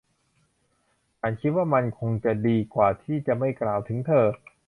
ฉันคิดว่ามันคงจะดีกว่าที่จะไม่กล่าวถึงเธอ